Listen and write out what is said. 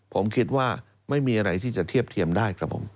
ผมคิดว่าไม่มีอะไรที่จะเทียบเทียมได้ครับผม